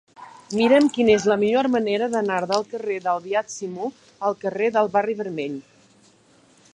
Mira'm quina és la millor manera d'anar del carrer del Beat Simó al carrer del Barri Vermell.